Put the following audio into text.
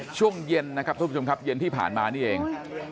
ช่วงเย็นนะครับทุกผู้ชมครับเย็นที่ผ่านมานี่เอง